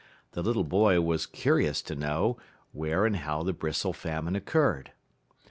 The little boy was curious to know when and where and how the bristle famine occurred.